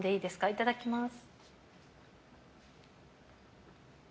いただきます。